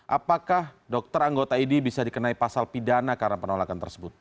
apakah dokter anggota idi bisa dikenai pasal pidana karena penolakan tersebut